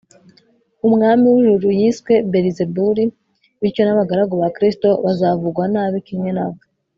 umwami w’ijuru yiswe belizebuli, bityo n’abagaragu ba kristo bazavugwa nabi kimwe na we